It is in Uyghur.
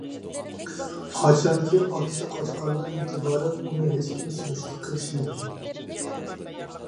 قاچانكى، ئاتىسى قاچقاندىن ئېتىبارەن، ئۇنى ھېچكىم سۈرۈشتە قىلىشمىدى.